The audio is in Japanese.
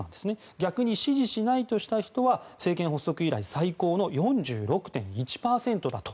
逆に支持しないとした人は政権発足以来最高の４６．１％だと。